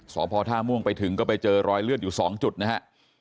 สพท่าม่วงไปถึงก็ไปเจอรอยเลือดอยู่๒จุดนะฮะ